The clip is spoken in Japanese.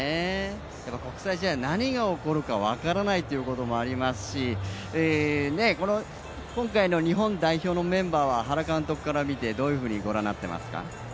国際試合、何が起こるか分からないということもありますし、今回の日本代表のメンバーは原監督から見てどういうふうにご覧になっていますか？